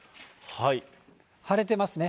晴れてますね。